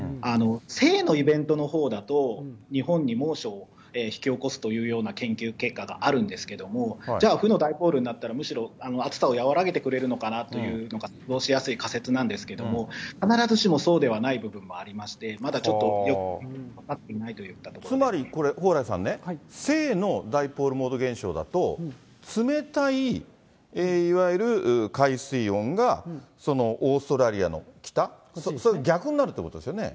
正のイベントのほうだと、日本に猛暑を引き起こすというような研究結果があるんですけども、じゃあ、負のダイポールになったら、暑さを和らげてくるのかなというのが仮説なんですけれども、必ずしもそうではない部分があって、まだちょっとよく分かっていつまり、これ、蓬莱さんね、正のダイポールモード現象だと、冷たいいわゆる海水温がオーストラリアの北、それが逆になるということですよね。